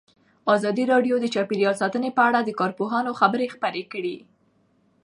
ازادي راډیو د چاپیریال ساتنه په اړه د کارپوهانو خبرې خپرې کړي.